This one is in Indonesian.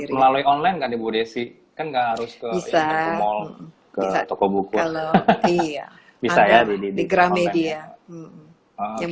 bisa di pesan melalui online kan bu desi kan gak harus ke toko buku bisa ya di gram media yang